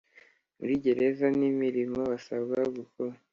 Muri gereza n imirimo basabwa gukora